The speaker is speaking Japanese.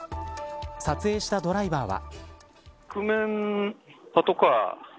撮影したドライバーは。